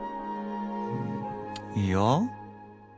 いや。